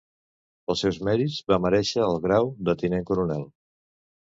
Pels seus mèrits va merèixer el grau de Tinent Coronel.